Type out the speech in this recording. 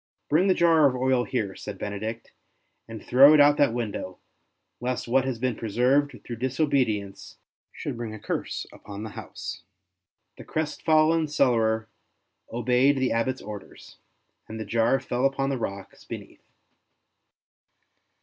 '' Bring the jar of oil here/' said Benedict, *' and throw it out of that window, lest what has been preserved through disobedience should bring a curse upon the house.'' The crestfallen cellarer obeyed the Abbot's orders, and the jar fell upon the rocks be neath.